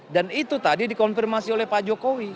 dan itu tadi dikonfirmasi oleh pak jokowi